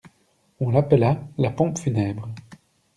On l'appella la pompe funèbre.